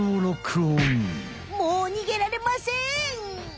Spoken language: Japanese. もう逃げられません！